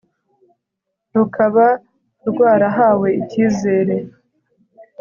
rukaba rwarahawe ikizere